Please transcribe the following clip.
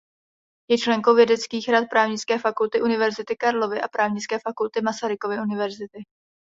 Je členkou vědeckých rad Právnické fakulty Univerzity Karlovy a Právnické fakulty Masarykovy univerzity.